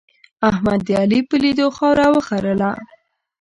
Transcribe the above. احمد د علي په لیدو خاوره وخرله.